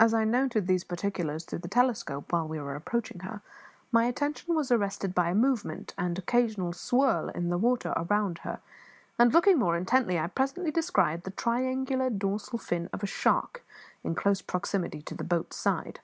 As I noted these particulars through the telescope, while we were approaching her, my attention was arrested by a movement and occasional swirl in the water round about her; and, looking more intently, I presently descried the triangular dorsal fin of a shark in close proximity to the boat's side.